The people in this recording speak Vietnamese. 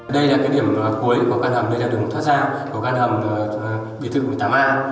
đây là cái điểm cuối của căn hầm đây là đường thoát ra của căn hầm bì thư một mươi tám a